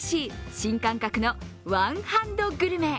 新感覚のワンハンドグルメ。